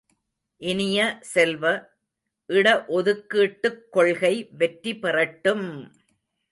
இனிய செல்வ, இட ஒதுக்கீட்டுக் கொள்கை வெற்றி பெறட்டும்!